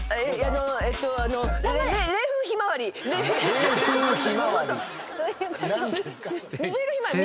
冷風ひまわり？